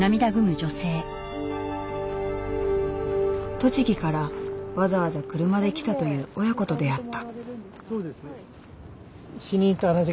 栃木からわざわざ車で来たという親子と出会った。